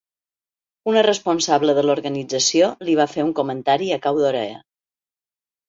Una responsable de l’organització li va fer un comentari a cau d’orella.